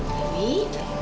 lambang perdamaian kita